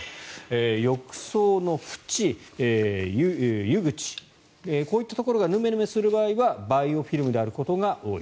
浴槽の縁、湯口こういったところがヌメヌメする場合はバイオフィルムであることが多い。